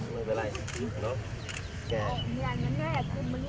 ว่าบันทึกเป็นไปแล้ว